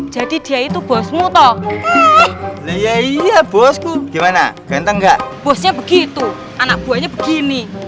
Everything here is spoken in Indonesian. jadi dia itu bosmu toh iya iya bosku gimana ganteng gak bosnya begitu anak buahnya begini